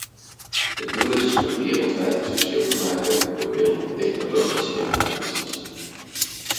Het doel is om wereldwijd het verschil te maken door middel van technologische innovaties.